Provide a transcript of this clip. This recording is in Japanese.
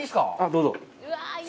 どうぞ。